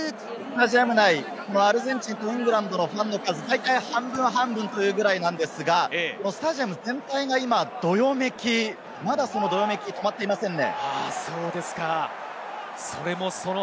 スタジアム内のアルゼンチンとイングランドのファンドの数、半分半分というぐらいなんですが、スタジアム全体がどよめき、まだそのどよめきが止まっていませんね。